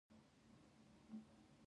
زه د ګودام برقي دروازې قلفووم.